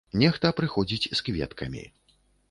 Нехта прыходзіць з кветкамі.